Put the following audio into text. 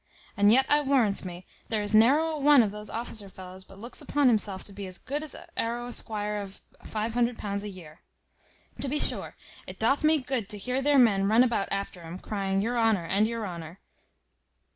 And yet I warrants me, there is narrow a one of those officer fellows but looks upon himself to be as good as arrow a squire of £500 a year. To be sure it doth me good to hear their men run about after 'um, crying your honour, and your honour.